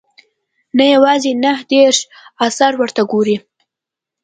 نه یوازې نهه دېرش اثار ورته ګوري.